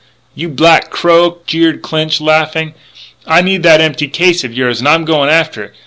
"You black crow!" jeered Clinch, laughing, " I need that empty case of yours. And I'm going after it....